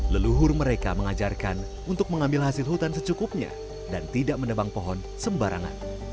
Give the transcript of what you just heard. leluhur mereka mengajarkan untuk mengambil hasil hutan secukupnya dan tidak menebang pohon sembarangan